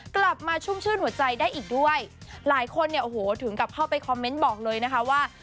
ชุ่มชื่นหัวใจได้อีกด้วยหลายคนเนี่ยโอ้โหถึงกลับเข้าไปคอมเมนต์บอกเลยนะคะว่า